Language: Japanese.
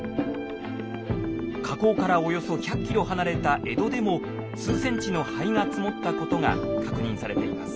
火口からおよそ１００ｋｍ離れた江戸でも数センチの灰が積もったことが確認されています。